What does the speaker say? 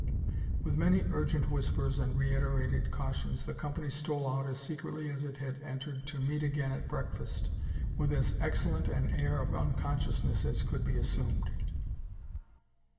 With many urgent whispers and reiterated cautions the company stole out as secretly as it had entered to meet again at breakfast with as excellent an air of uncon sciousness as could be assumed.